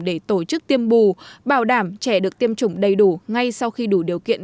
để tổ chức tiêm bù bảo đảm trẻ được tiêm chủng đầy đủ ngay sau khi đủ điều kiện